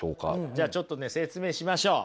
じゃあちょっとね説明しましょう。